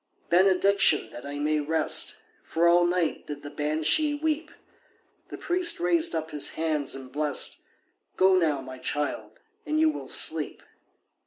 "Benediction, that I may rest, For all night did the Banshee weep." The priest raised up his hands and blest— "Go now, my child, and you will sleep."